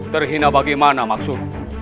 terhina bagaimana maksud